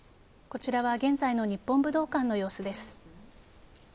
こちらは現在の日本武道館の様子です。